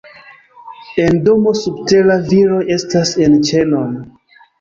En domo subtera, viroj estas en ĉenon.